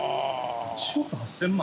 １億８０００万。